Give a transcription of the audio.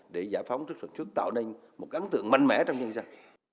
để giải phóng thức thuận xuất tạo nên một ấn tượng mạnh mẽ trong nhân dân